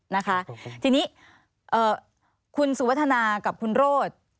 นะคะทีนี้คุณสุวัฒนากับคุณโรธ